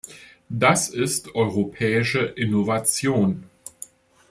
Das ist europäische Innovation.